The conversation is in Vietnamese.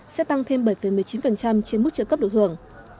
sẽ tăng thêm bảy một mươi chín trên mức trợ cấp được hưởng